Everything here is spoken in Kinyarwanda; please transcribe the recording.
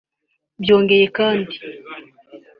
Byongeye kandi